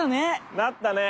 なったね。